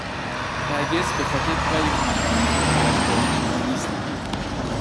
هرگز بخاطر کاری که می کنید قدردان شما نیستند.